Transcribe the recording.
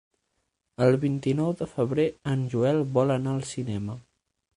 El vint-i-nou de febrer en Joel vol anar al cinema.